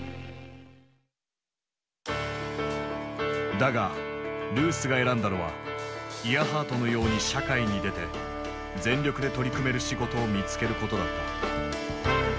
だがルースが選んだのはイアハートのように社会に出て全力で取り組める仕事を見つけることだった。